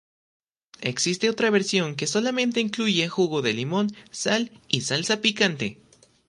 Existe otra versión que solamente incluye jugo de limón, sal y salsa picante.